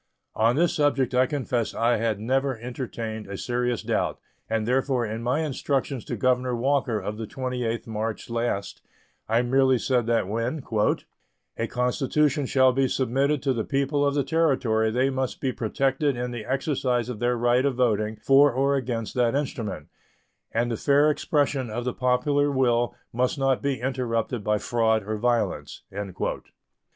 On this subject I confess I had never entertained a serious doubt, and therefore in my instructions to Governor Walker of the 28th March last I merely said that when "a constitution shall be submitted to the people of the Territory they must be protected in the exercise of their right of voting for or against that instrument, and the fair expression of the popular will must not be interrupted by fraud or violence."